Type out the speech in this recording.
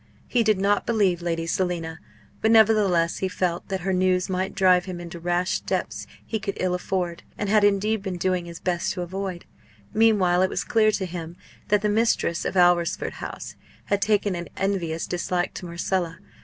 He did not believe Lady Selina, but nevertheless he felt that her news might drive him into rash steps he could ill afford, and had indeed been doing his best to avoid. Meanwhile it was clear to him that the mistress of Alresford House had taken an envious dislike to Marcella.